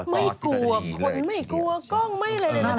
ไม่กลัวคนไม่กลัวกล้องไม่เลนะ